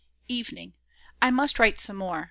Evening: I must write some more.